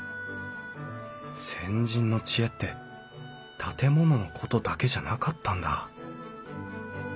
先人の知恵って建物のことだけじゃなかったんだ